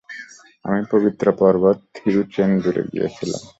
আমি পবিত্র পর্বত থিরুচেন্দুরে গিয়েছিলাম।